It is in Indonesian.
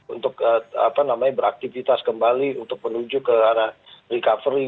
untuk beraktivitas kembali untuk menuju ke arah recovery